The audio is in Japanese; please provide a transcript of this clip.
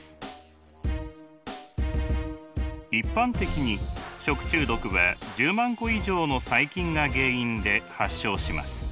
一般的に食中毒は１０万個以上の細菌が原因で発症します。